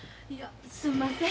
すんません。